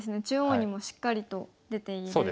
中央にもしっかりと出ている。